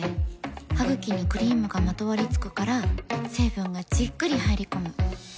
ハグキにクリームがまとわりつくから成分がじっくり入り込む。